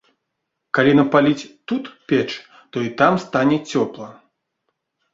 Калі напаліць тут печ, то і там стане цёпла.